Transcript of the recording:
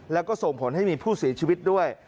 แล้วก็ส่งผลให้มีผู้เสียชีวิตด้วย